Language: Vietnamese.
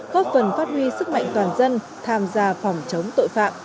góp phần phát huy sức mạnh toàn dân tham gia phòng chống tội phạm